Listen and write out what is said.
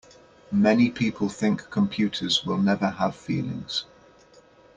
Many people think computers will never have feelings.